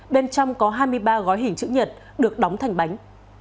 bên trong có hai mươi ba gói hình chữ nhật được đóng thành bánh